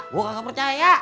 gua kagak percaya